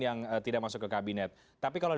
yang tidak masuk ke kabinet tapi kalau